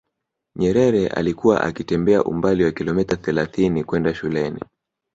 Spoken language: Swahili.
nyerere alikuwa akitembea umbali wa kilometa thelathini kwenda shuleni